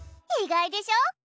意外でしょ？